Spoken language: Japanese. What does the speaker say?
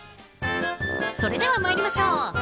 それでは参りましょう。